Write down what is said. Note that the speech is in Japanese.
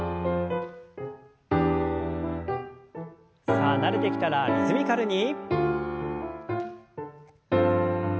さあ慣れてきたらリズミカルに。